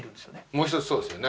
もう一つそうですよね